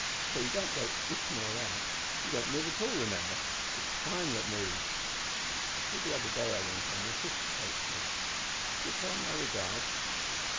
So you don't go in or out; you don't move at all, remember? It's time that moves.' "'I called the other day,' I went on. 'Your sister spoke to me. Give her my regards.'